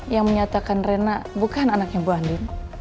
yang menyatakan rena bukan anaknya ibu andi